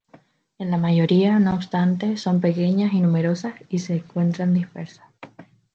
En la mayoría, no obstante, son pequeñas y numerosas y se encuentran dispersas.